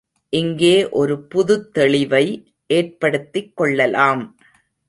இங்கே ஒரு புதுத்தெளிவை ஏற்படுத்திக் கொள்ளலாம்.